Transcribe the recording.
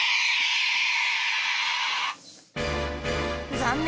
残念！